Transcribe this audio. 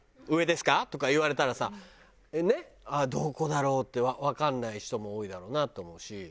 上ですか？」とか言われたらさどこだろう？ってわかんない人も多いだろうなと思うし。